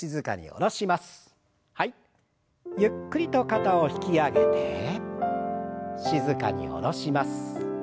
ゆっくりと肩を引き上げて静かに下ろします。